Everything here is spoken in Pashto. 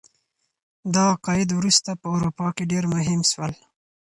دا عقاید وروسته په اروپا کي ډیر مهم سول.